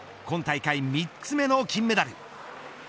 今大会３つ目の金メダル。